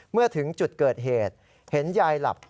เมื่อถึงจุดเกิดเหตุเห็นยายหลับ